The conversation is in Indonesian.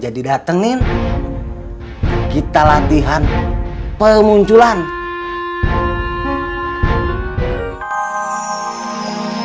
jadi carga pendidikan itu untuk menjaga kesehatan